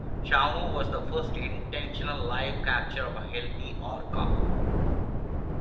Shamu's was the first intentional live capture of a healthy orca.